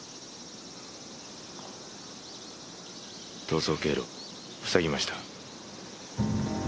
逃走経路塞ぎました。